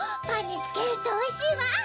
パンにつけるとおいしいわ！